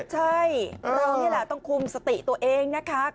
ใช่เรานี่แหละต้องคุมสติตัวเองนะคะ